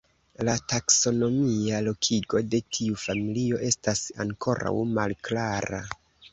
La taksonomia lokigo de tiu familio estas ankoraŭ malklara.